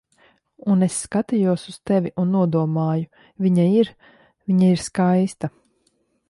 Un es skatījos uz tevi un nodomāju: "Viņa ir... Viņa ir skaista."